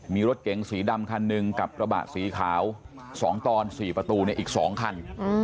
มีรถเก๋งสีดำคันหนึ่งกับกระบะสีขาว๒ตอน๔ประตูอีก๒คัน